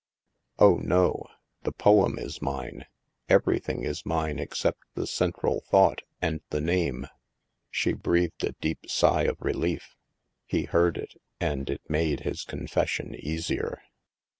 "" Oh, no ! The poem is mine — everything is mine except the central thought and the name.'' She breathed a deep sigh of relief. He heard it, and it made his confession easier.